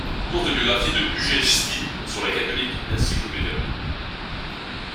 Courte biographie de Ujejski sur la Catholic Encyclopedia.